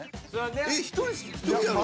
えっ１人やろ。